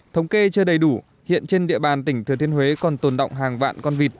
thống kê chưa đầy đủ hiện trên địa bàn tỉnh thừa thiên huế còn tồn động hàng vạn con vịt